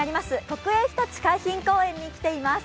国営ひたち海浜公園に来ています。